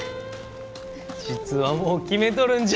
実はもう決めとるんじゃ。